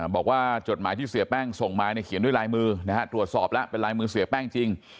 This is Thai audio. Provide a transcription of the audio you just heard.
จดหมายที่เสียแป้งส่งมาเขียนด้วยลายมือนะฮะตรวจสอบแล้วเป็นลายมือเสียแป้งจริง